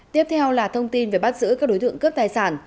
tiếp theo là thông tin về bắt giữ các đối tượng cướp tài sản